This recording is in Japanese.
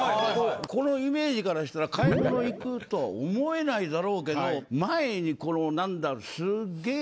このイメージからしたら買い物行くとは思えないだろうけど前にこの何だすげえ。